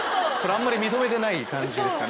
あんまり認めてない感じですか？